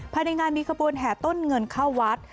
พนัยงานมีกระบวนแห่ต้นเงินเข้าวัด